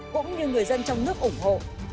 cũng như người dân trong nước ủng hộ